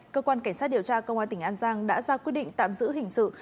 cơ quan cảnh sát điều tra công an tỉnh an giang đã ra quyết định tạm giữ hình sự